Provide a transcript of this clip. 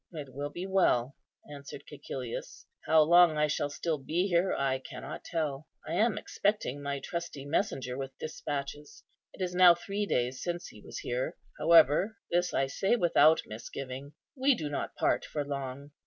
"It will be well," answered Cæcilius; "how long I shall still be here, I cannot tell. I am expecting my trusty messenger with despatches. It is now three days since he was here. However, this I say without misgiving, we do not part for long.